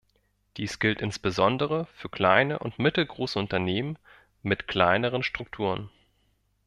Dies gilt insbesondere für kleine und mittelgroße Unternehmen mit kleineren Strukturen.